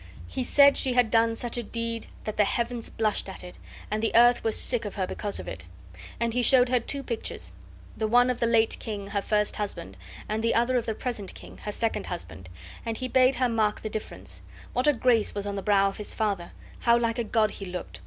He said she had done such a deed that the heavens blushed at it, and the earth was sick of her because of it. And he showed her two pictures, the one of the late king, her first husband, and the other of the present king, her second husband, and he bade her mark the difference; what a grace was on the brow of his father, how like a god he looked!